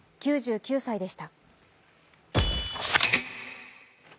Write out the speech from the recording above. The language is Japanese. ９９歳でした。